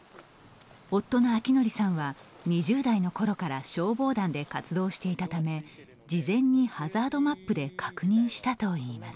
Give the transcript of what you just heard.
夫の晃徳さんは２０代のころから消防団で活動していたため事前にハザードマップで確認したといいます。